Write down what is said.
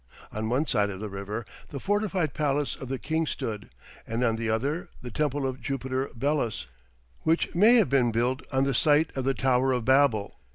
On one side of the river the fortified palace of the king stood, and on the other the temple of Jupiter Belus, which may have been built on the site of the Tower of Babel.